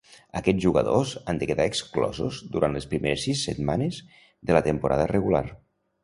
Aquests jugadors han de quedar exclosos durant les primeres sis setmanes de la temporada regular.